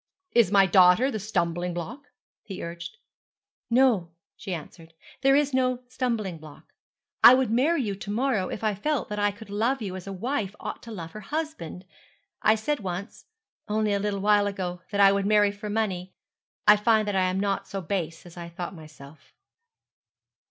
'Is my daughter the stumbling block?' he urged. 'No,' she answered, 'there is no stumbling block. I would marry you to morrow, if I felt that I could love you as a wife ought to love her husband. I said once only a little while ago that I would marry for money. I find that I am not so base as I thought myself.'